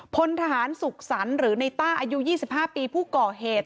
พลทหารสุขสรรค์หรือในต้าอายุ๒๕ปีผู้ก่อเหตุ